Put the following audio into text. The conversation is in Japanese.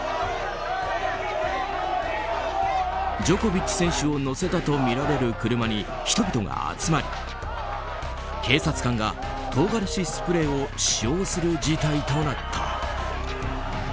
ジョコビッチ選手を乗せたとみられる車に人々が集まり警察官が唐辛子スプレーを使用する事態となった。